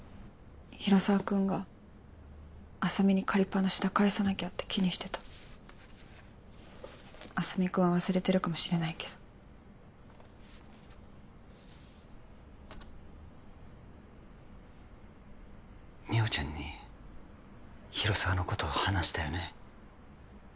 広沢君が浅見に借りっぱなしだ返さなきゃって気にしてた浅見君は忘れてるかもしれないけど美穂ちゃんに広沢のこと話したよね